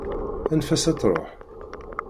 Anef-as ad truḥ!